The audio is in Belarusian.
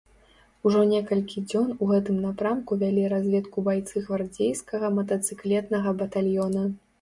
Ужо некалькі дзён у гэтым напрамку вялі разведку байцы гвардзейскага матацыклетнага батальёна.